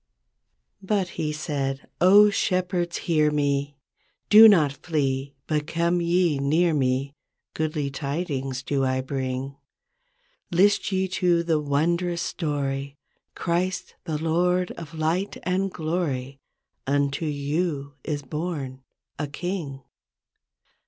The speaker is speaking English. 1 2 "But he said, '0 Shepherds, hear me! Do not flee, but come ye near me. Goodly tidings do I bring. List ye to the wondrous story, Christ, the Lord of light and glory. Unto you is born, a King.